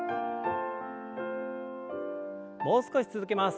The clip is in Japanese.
もう少し続けます。